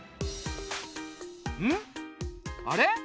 んっあれ？